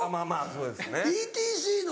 そうです。